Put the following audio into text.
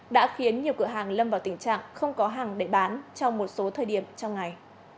đã khiến nhiều cửa hàng lâm vào tình trạng không có hàng để bán trong một số thời điểm trong ngày